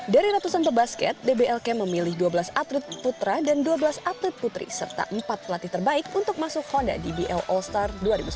dari ratusan pebasket dblk memilih dua belas atlet putra dan dua belas atlet putri serta empat pelatih terbaik untuk masuk honda dbl all star dua ribu sembilan belas